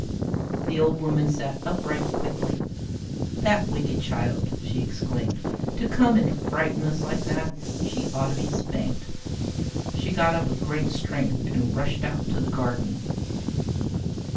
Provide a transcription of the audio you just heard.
The old woman sat upright quickly. "That wicked child!" she exclaimed. "To come and frighten us like that. She ought to be spanked." She got up with great strength and rushed out to the garden.